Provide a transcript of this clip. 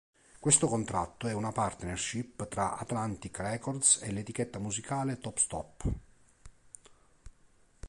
Questo contratto è una partnership tra Atlantic Records e l'etichetta musicale Top Stop.